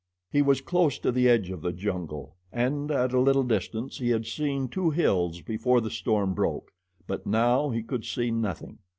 He was close to the edge of the jungle, and at a little distance he had seen two hills before the storm broke; but now he could see nothing.